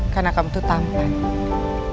karena kamu tuh tampan